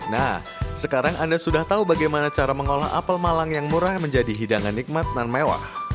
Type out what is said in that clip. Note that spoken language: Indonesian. nah sekarang anda sudah tahu bagaimana cara mengolah apel malang yang murah menjadi hidangan nikmat dan mewah